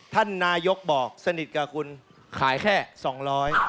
ท่านนายกบอกสนิทกับคุณขายแค่สองร้อย